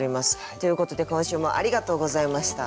ということで今週もありがとうございました。